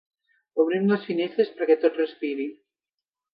Obrim les finestres perquè tot respiri.